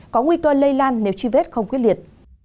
có nguy cơ lây lan nếu truy vết không quyết liệt